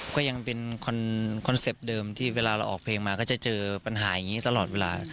ก็ยังเป็นคอนเซ็ปต์เดิมที่เวลาเราออกเพลงมาก็จะเจอปัญหาอย่างนี้ตลอดเวลา